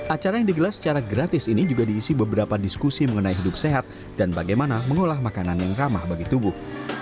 acara yang digelar secara gratis ini juga diisi beberapa diskusi mengenai hidup sehat dan bagaimana mengolah makanan yang ramah bagi tubuh